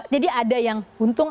jadi ada yang untung